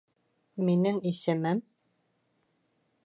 Минең исемем..